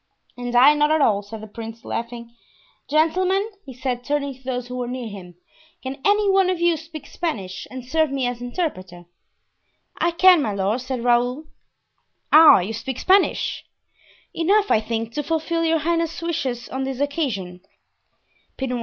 "And I not at all," said the prince, laughing. "Gentlemen," he said, turning to those who were near him "can any one of you speak Spanish and serve me as interpreter?" "I can, my lord," said Raoul. "Ah, you speak Spanish?" "Enough, I think, to fulfill your highness's wishes on this occasion."